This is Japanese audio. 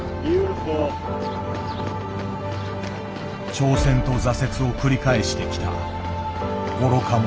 挑戦と挫折を繰り返してきた「愚か者」。